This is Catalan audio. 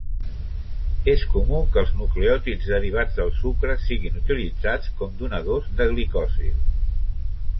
És comú que els nucleòtids derivats del sucre siguin utilitzats com donadors de glicosil.